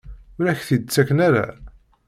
Ur ak-t-id-ttaken ara?